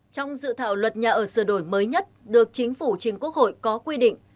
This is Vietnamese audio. trong dự thảo luật nhà ở sửa đổi mới nhất được chính phủ trình quốc hội có quy định